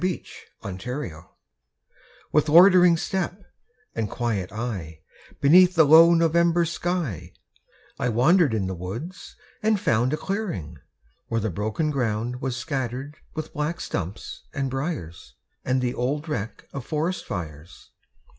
IN NOVEMBER With loitering step and quiet eye, Beneath the low November sky, I wandered in the woods, and found A clearing, where the broken ground Was scattered with black stumps and briers, And the old wreck of forest fires.